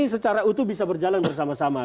secara utuh bisa berjalan bersama sama